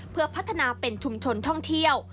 เพื่อพัฒนาเป็นชุมชนท่องเที่ยว